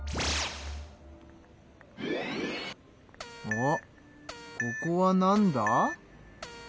おっここはなんだ？